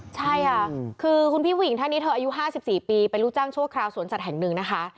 ใช่ค่ะคือคุณพี่ผู้หญิงท่านนี้เธออายุ๕๔ปีเป็นลูกจ้างชั่วคราวสวนสัตว์แห่งหนึ่งนะคะ